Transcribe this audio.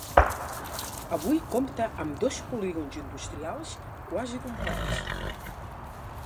Avui compta amb dos polígons industrials quasi complets.